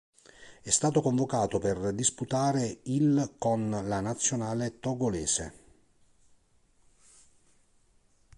È stato convocato per disputare il con la nazionale togolese.